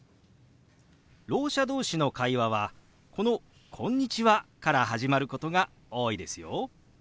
ろう者同士の会話はこの「こんにちは」から始まることが多いですよ。